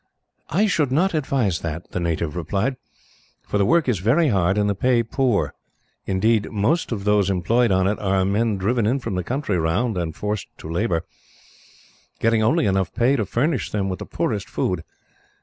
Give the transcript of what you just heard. "I should not advise that," the native replied, "for the work is very hard, and the pay poor. Indeed, most of those employed on it are men driven in from the country round and forced to labour, getting only enough pay to furnish them with the poorest food.